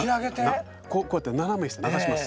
こうやって斜めにして流します。